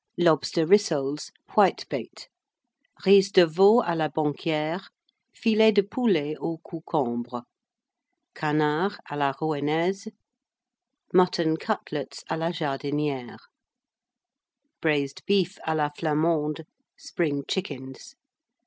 Lobster Rissoles. Whitebait. Riz de Veau à la Banquière. Filets de Poulets aux Coucombres. Canards à la Rouennaise. Mutton Cutlets à la Jardinière. Braised Beef à la Flamande. Spring Chickens.